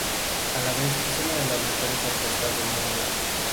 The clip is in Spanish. A la vez es una de las mejores orquestas del mundo.